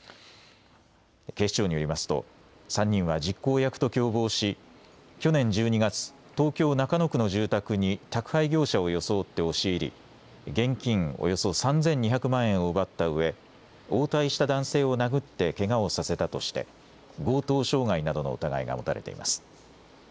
警視庁によりますと、３人は実行役と共謀し、去年１２月、東京・中野区の住宅に、宅配業者を装って押し入り、現金およそ３２００万円を奪ったうえ、応対した男性を殴ってけがをさせたとして、強盗傷害などの疑いが持たれています。